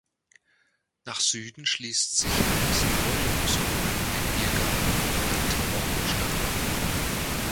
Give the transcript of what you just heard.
Nach Süden schließt sich an das Gebäudeensemble ein Biergarten mit altem Baumbestand an.